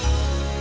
ya ini udah gawat